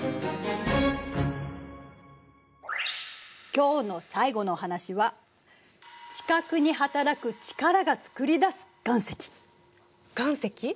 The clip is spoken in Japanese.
今日の最後のお話は岩石？